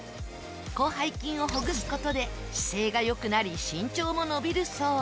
広背筋をほぐす事で姿勢が良くなり身長も伸びるそう。